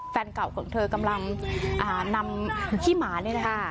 แฟนเก่าของเธอกำลังนำขี้หมาเนี่ยนะคะ